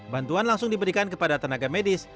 bantuan langsung diberikan kepada tenaga medis